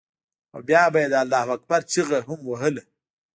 او بيا به یې د الله اکبر چیغه هم وهله.